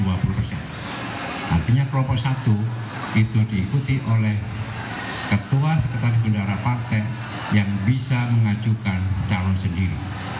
artinya kelompok satu itu diikuti oleh ketua sekretaris bendara partai yang bisa mengajukan calon sendiri